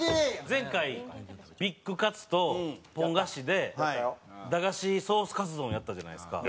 前回ビッグカツとポン菓子で駄菓子ソースカツ丼やったじゃないですか。